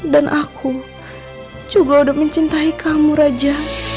dan aku juga udah mencintai kamu raja